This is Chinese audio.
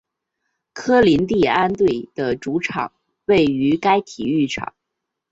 科林蒂安队的主场位于该体育场。